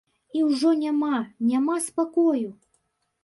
І ўжо няма, няма спакою!